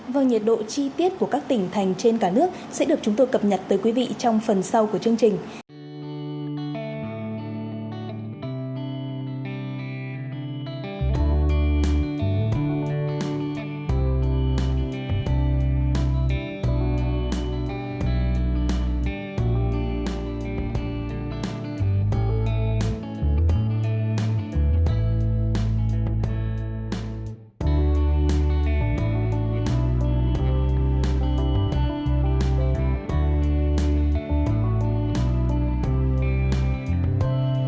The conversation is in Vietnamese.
vâng nhiệt độ chi tiết của các tỉnh thành trên cả nước sẽ được chúng tôi cập nhật tới quý vị trong phần sau của chương trình